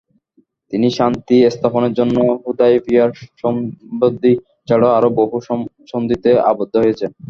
তিনি শান্তি স্থাপনের জন্য হুদাইবিয়ার সন্ধি ছাড়াও আরও বহু সন্ধিতে আবদ্ধ হয়েছেন।